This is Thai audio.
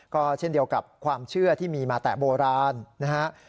ก็เช่นเดียวกับความเชื่อที่มีมาแต่โบราณนะฮะ